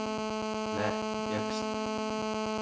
Мә текст!